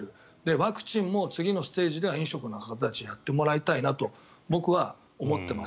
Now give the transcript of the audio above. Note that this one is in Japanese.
ワクチンも次のステージでは飲食の方たちにやってもらいたいなと僕は思っています。